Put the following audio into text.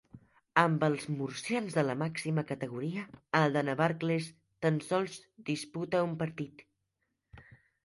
Amb els murcians a la màxima categoria, el de Navarcles tan sols disputa un partit.